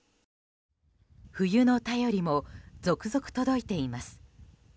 冬の便りも続々届いています。